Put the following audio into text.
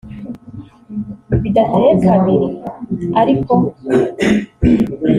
Bidateye kabiri ariko